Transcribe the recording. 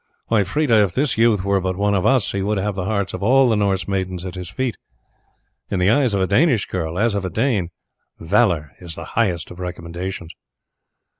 Why, Freda, if this youth were but one of us he would have the hearts of all the Norse maidens at his feet. In the eyes of a Danish girl, as of a Dane, valour is the highest of recommendations."